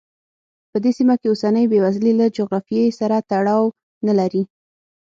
په دې سیمه کې اوسنۍ بېوزلي له جغرافیې سره تړاو نه لري.